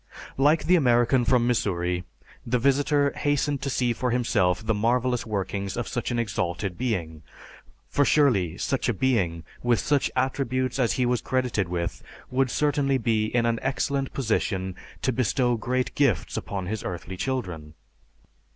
Like the American from Missouri, the visitor hastened to see for himself the marvelous workings of such an exalted being, for surely such a being, with such attributes as he was credited with, would certainly be in an excellent position to bestow great gifts upon his earthly children.